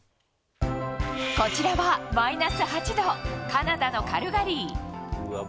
こちらは、マイナス８度、カナダのカルガリー。